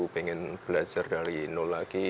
pengen belajar dari nol lagi